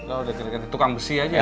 oh udah di tukang besi aja